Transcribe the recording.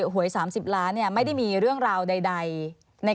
หวย๓๐ล้านไม่ได้มีเรื่องราวใด